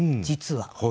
実は。